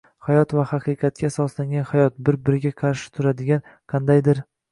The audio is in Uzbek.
hayot” va “haqiqatga asoslangan hayot” bir biriga qarshi turadigan qandaydir